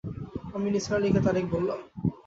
আমি নিসার আলিকে তারিখ বললাম।